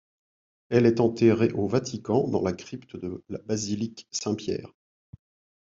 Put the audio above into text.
Elle est enterrée au Vatican, dans la crypte de la basilique Saint-Pierre.